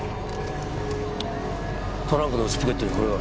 トランクの内ポケットにこれが。